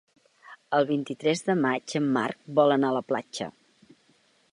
El vint-i-tres de maig en Marc vol anar a la platja.